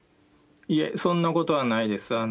いえ、そんなことはないです。